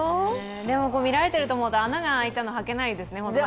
でも見られてると思うと、穴が空いたの履けませんね。